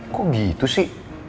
kok gitu sih